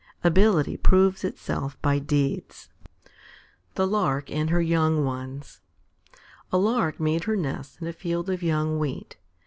Ability proves itself by deeds. THE LARK AND HER YOUNG ONES A Lark made her nest in a field of young wheat.